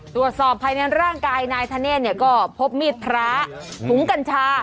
ตรวจสอบภายในร่างกายนายธเนธเนี่ยก็พบมีดพระถุงกัญชา